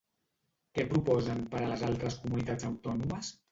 Què proposen per a les altres comunitats autònomes?